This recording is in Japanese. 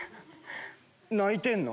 泣いてんの？